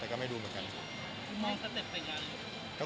แต่ก็ไม่ดูเหมือนกันครับ